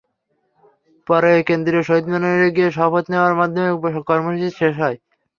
পরে কেন্দ্রীয় শহীদ মিনারে গিয়ে শপথ নেওয়ার মাধ্যমে কর্মসূচির শেষ হয়।